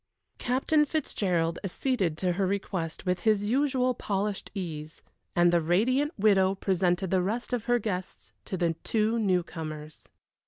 Captain Fitzgerald acceded to her request with his usual polished ease, and the radiant widow presented the rest of her guests to the two new comers.